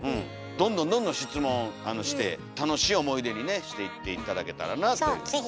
どんどんどんどん質問して楽しい思い出にしていって頂けたらなというふうに思います。